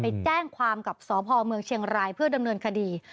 ไปแจ้งความกับสพเมืองเชียงรายเพื่อดำเนินคดี